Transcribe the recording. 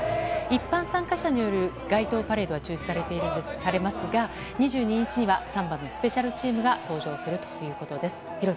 一般参加者による街頭パレードは中止されますが２２日にはサンバのスペシャルチームが登場するということです。